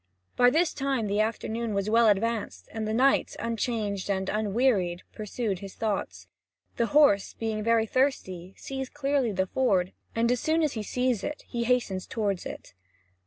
By this time the afternoon was well advanced, and yet the knight, unchanged and unwearied, pursued his thoughts. The horse, being very thirsty, sees clearly the ford, and as soon as he sees it, hastens toward it.